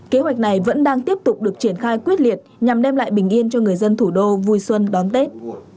kế hoạch này vẫn đang tiếp tục được triển khai quyết liệt nhằm đem lại bình yên cho người dân thủ đô vui xuân đón tết